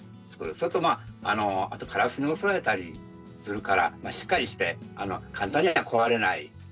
それとまあカラスに襲われたりするからしっかりして簡単には壊れない